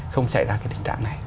không chạy ra cái tình trạng này